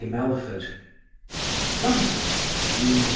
MELFORD LONDON, June 2.